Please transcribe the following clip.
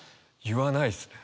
言わないですね。